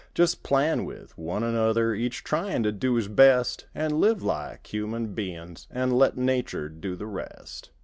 Just plan with one another Each tryin' to do his best; An' live like human bein's An' let nature do the rest.